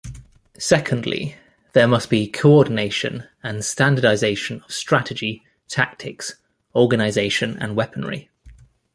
Secondly, there must be co-ordination and standardisation of strategy, tactics, organisation and weaponry.